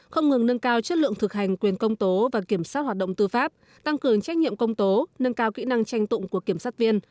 không ngừng nâng cao chất lượng thực hành quyền công tố và kiểm soát hoạt động tư pháp tăng cường trách nhiệm công tố nâng cao kỹ năng tranh tụng của kiểm sát viên